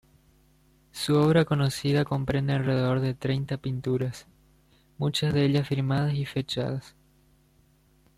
Su obra conocida comprende alrededor de treinta pinturas, muchas de ellas firmadas y fechadas.